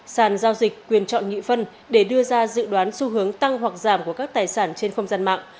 sàn giao dịch quyền chọn nghị phân để đưa ra dự đoán xu hướng tăng hoặc giảm của các tài sản trên không gian mạng